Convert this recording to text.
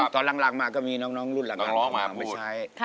ตอนล่างมาก็มีน้องหนุ่อนหลางข้างไม่ใช่